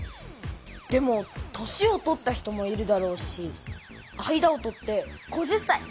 でも年を取った人もいるだろうし間を取って５０才！